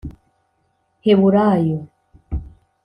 Heburayo